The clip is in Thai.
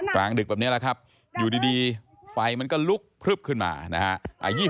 กลางดึกแบบนี้แหละครับอยู่ดีไฟมันก็ลุกพลึบขึ้นมานะฮะ